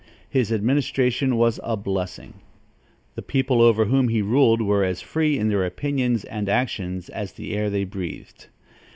His administration was a blessing. The people over whom he ruled were as free in their opinions and actions as the air they breathed.